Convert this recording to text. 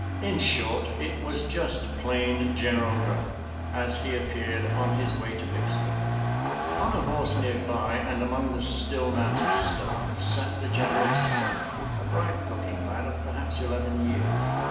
In short, it was just plain General Grant, as he appeared on his way to Vicksburg. On a horse near by, and among the still mounted staff, sat the General's son, a bright looking lad of perhaps eleven years.